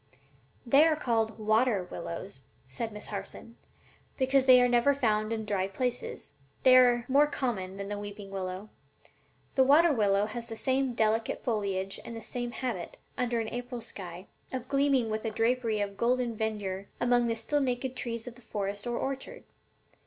"They are called water willows," said Miss Harson, "because they are never found in dry places. They are more common than the weeping willow. The water willow has the same delicate foliage and the same habit, under an April sky, of gleaming with a drapery of golden verdure among the still naked trees of the forest or orchard.